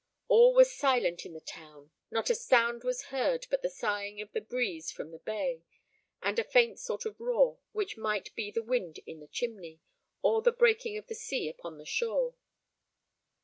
All was silent in the town; not a sound was heard but the sighing of the breeze from the bay, and a faint sort of roar, which might be the wind in the chimney, or the breaking of the sea upon the shore.